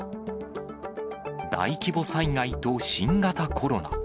大規模災害と新型コロナ。